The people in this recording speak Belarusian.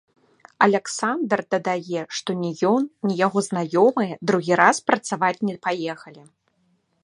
Аляксандр дадае, што ні ён, ні яго знаёмыя другі раз працаваць не паехалі.